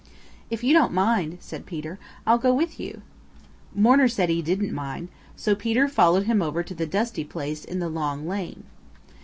"If you don't mind," said Peter, "I'll go with you." Mourner said he didn't mind, so Peter followed him over to the dusty place in the long lane.